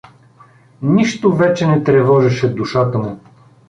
Нищо вече не тревожеше душата му.